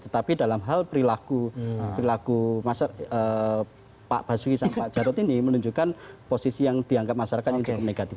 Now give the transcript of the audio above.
tetapi dalam hal perilaku perilaku pak basuki sama pak jarod ini menunjukkan posisi yang dianggap masyarakat yang cukup negatif